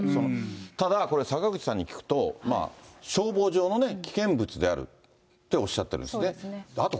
ただこれ、坂口さんに聞くと、消防上の危険物であるっておっしゃっているんですね。